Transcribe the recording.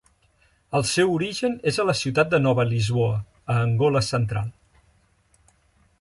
El seu origen és a la ciutat de Nova Lisboa, a Angola central.